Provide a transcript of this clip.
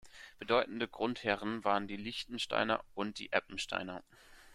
Bedeutende Grundherren waren die Liechtensteiner und die Eppensteiner.